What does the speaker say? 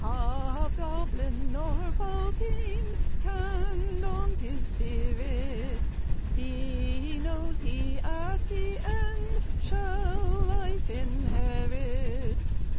"Hobgoblin nor foul fiend Can daunt his spirit; He knows he at the end Shall life inherit.